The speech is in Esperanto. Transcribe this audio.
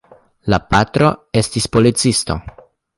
La patro estis policisto.